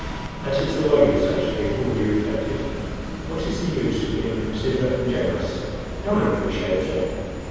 "That is the way with such people!" he reflected. "What is the use of being considerate and generous? No one appreciates it!"